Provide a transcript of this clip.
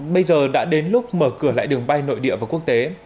bây giờ đã đến lúc mở cửa lại đường bay nội địa và quốc tế